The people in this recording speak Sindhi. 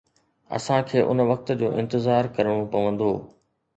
اسان کي ان وقت جو انتظار ڪرڻو پوندو.